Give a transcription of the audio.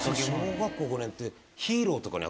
小学校５年って。